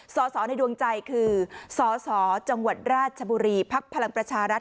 สสในดวงใจคือสสจังหวัดราชบุรีภักดิ์พลังประชารัฐ